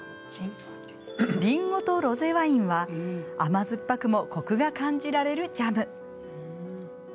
りんごとロゼワインは甘酸っぱくもコクが感じられるジャム。